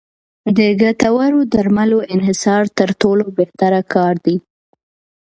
د ګټورو درملو انحصار تر ټولو بهتره کار دی.